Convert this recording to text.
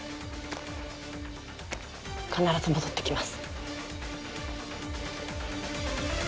必ず戻ってきます